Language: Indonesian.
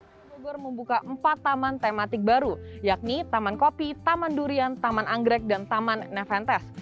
kota bogor membuka empat taman tematik baru yakni taman kopi taman durian taman anggrek dan taman neventes